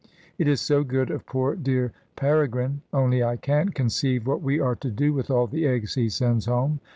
It is so good of poor dear Pere grine; only I can't conceive what we are to do with all the eggs he sends home.